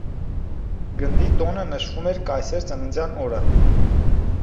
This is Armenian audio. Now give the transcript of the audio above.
Գնդի տոնը նշվում էր կայսեր ծննդյան օրը։